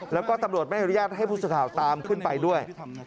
แล้วก็ตำรวจไม่อนุญาตให้ผู้สื่อข่าวตามขึ้นไปด้วย